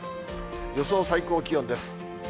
予想最高気温です。